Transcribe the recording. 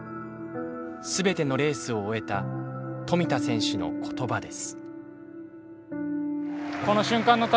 全てのレースを終えた富田選手の言葉です